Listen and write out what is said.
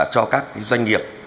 cho các doanh nghiệp